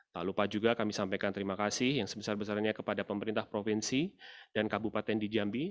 tak lupa juga kami sampaikan terima kasih yang sebesar besarnya kepada pemerintah provinsi dan kabupaten di jambi